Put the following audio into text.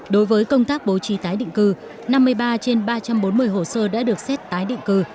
đối với công tác bố trí tái định cư năm mươi ba trên ba trăm bốn mươi hồ sơ đã được xét tái định cư